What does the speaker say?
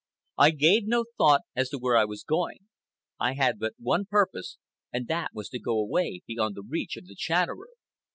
I gave no thought as to where I was going. I had but one purpose, and that was to go away beyond the reach of the Chatterer.